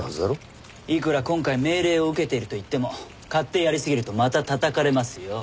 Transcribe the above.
いくら今回命令を受けているといっても勝手やりすぎるとまた叩かれますよ。